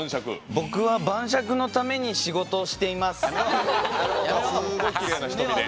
僕は晩酌のために仕事をしています。